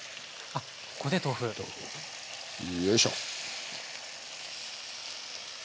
よいしょ。